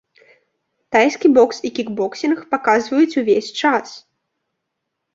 Тайскі бокс і кікбоксінг паказваюць увесь час.